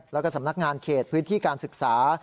แล้วก็สำนักงานเขตพื้นที่การศึกษา